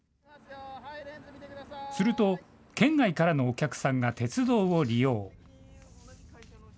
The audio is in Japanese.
すると、県外からのお客さんが鉄道を利用。